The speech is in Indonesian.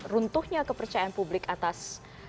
runtuhnya kepercayaan publik atas